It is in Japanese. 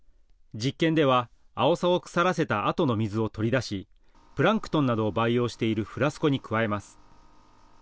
実験ではアオサを腐らせたあとの水を取り出しプランクトンなどを培養しているフラスコに加えます。